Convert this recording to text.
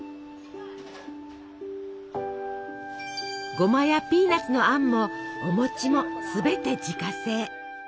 ごまやピーナツのあんもお餅もすべて自家製。